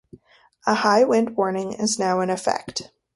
A high wind warning is now in effect.